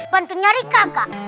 bantu nyari kagak